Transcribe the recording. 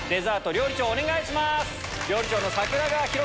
料理長